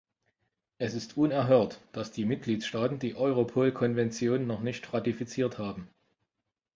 Es ist unerhört, dass die Mitgliedstaaten die Europolkonvention noch nicht ratifiziert haben.